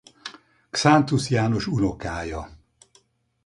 Xántus János unokája.